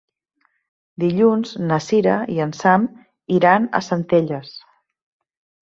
Dilluns na Sira i en Sam iran a Centelles.